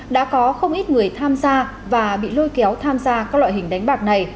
đã có không ít người tham gia và bị lôi kéo tham gia các loại hình đánh bạc này